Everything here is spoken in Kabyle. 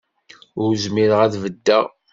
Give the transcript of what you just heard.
Ur zmireɣ ad beddeɣ.